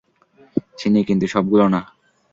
চিনি, কিন্তু সবগুলো না।